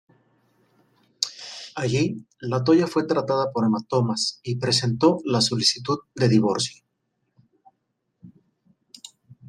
Allí, La Toya fue tratada por hematomas y presentó la solicitud de divorcio.